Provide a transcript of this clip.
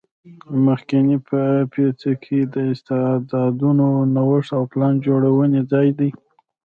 مخنی پیڅکی د استعدادونو نوښت او پلان جوړونې ځای دی